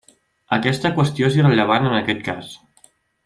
Aquesta qüestió és irrellevant en aquest cas.